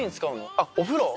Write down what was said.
あっお風呂？